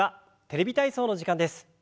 「テレビ体操」の時間です。